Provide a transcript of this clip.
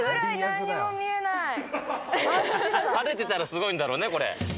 晴れてたらすごいんだろうね、これ。